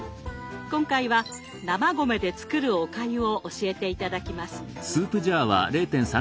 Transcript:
今回は「生米で作るおかゆ」を教えて頂きます。